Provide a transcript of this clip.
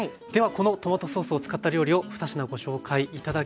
このトマトソースを使った料理を２品ご紹介頂きます。